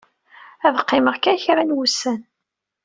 Ad qqimeɣ da kra n wussan.